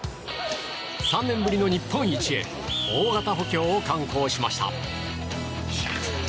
３年ぶりの日本一へ大型補強を敢行しました。